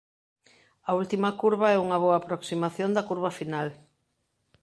A última curva é unha boa aproximación da curva final.